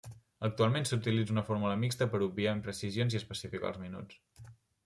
Actualment s'utilitza una fórmula mixta per obviar imprecisions i especificar els minuts.